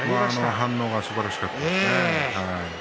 反応がすばらしかったですね。